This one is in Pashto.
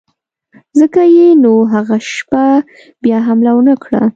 ځکه یې نو هغه شپه بیا حمله ونه کړه.